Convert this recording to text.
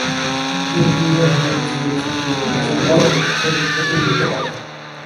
তিনি ইউরো-ভূমধ্যসাগরীয় সংসদীয় অধিবেশন-এ মরক্কোর প্রতিনিধিত্ব করেন।